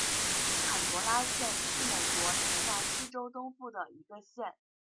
坎伯兰县是美国田纳西州东部的一个县。